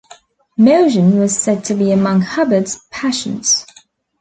Motion was said to be among Hubbard's passions.